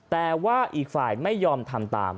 แต่ว่าอีกฝ่ายไม่ยอมทำตาม